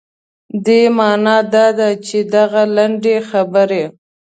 دې معنا دا ده چې دغه لنډې خبرې.